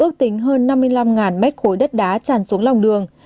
ước tính hơn năm mươi năm mét khối đất đá tràn xuống lòng đường